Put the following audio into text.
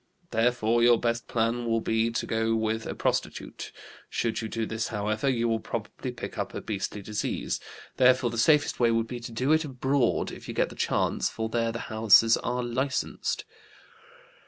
Therefore your best plan will be to go with a prostitute. Should you do this, however, you will probably pick up a beastly disease. Therefore the safest way would be to do it abroad if you get the chance, for there the houses are licensed.'